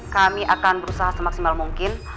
kami akan berusaha semaksimal mungkin